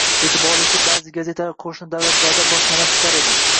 E’tiborlisi – ba’zi gazetalar qo‘shni davlatlarda bosmadan chiqar edi.